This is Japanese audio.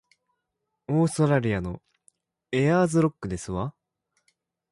オーストラリアのエアーズロックですわ